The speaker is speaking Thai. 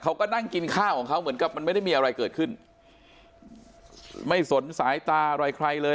เขาก็นั่งกินข้าวของเขาเหมือนกับมันไม่ได้มีอะไรเกิดขึ้นไม่สนสายตาอะไรใครเลย